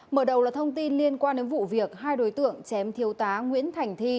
mở đầu là thông tin liên quan đến vụ việc hai đối tượng chém thiếu tá nguyễn thành thi